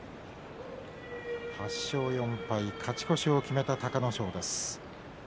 勝ち越しを決めた隆の勝です。